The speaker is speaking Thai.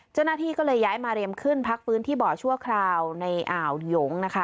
เจ้าหน้าที่ก็เลยย้ายมาเรียมขึ้นพักฟื้นที่บ่อชั่วคราวในอ่าวหยงนะคะ